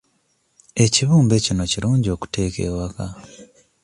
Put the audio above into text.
Ekibumbe kino kirungi okuteeka ewaka.